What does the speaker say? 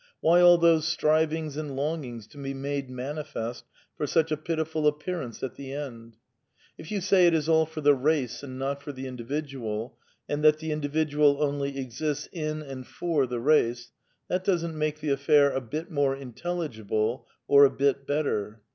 Why all those strivings and longings to be made manifest for such a pitiful appearance at the end ? If you say it is all for the Race and not for the individual, and that the individual only exists in and for the Race, that doesn't make the affair a bit more intelligible or a bit better.